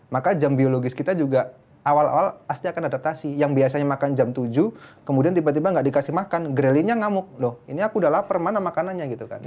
maka jam biologis kita juga awal awal pasti akan adaptasi yang biasanya makan jam tujuh kemudian tiba tiba nggak dikasih makan graille nya ngamuk loh ini aku udah lapar mana makanannya gitu kan